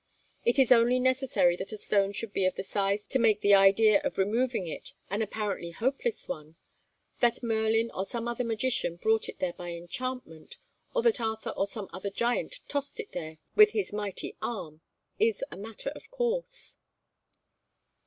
It is only necessary that a stone should be of a size to make the idea of removing it an apparently hopeless one that Merlin or some other magician brought it there by enchantment, or that Arthur or some other giant tossed it there with his mighty arm, is a matter of course.